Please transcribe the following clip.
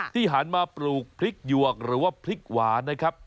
หันมาปลูกพริกหยวกหรือว่าพริกหวานนะครับ